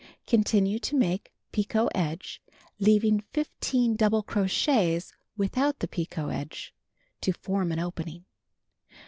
Continue to make picot edge, leaving 15 double crochets without the picot edge — to form an opening.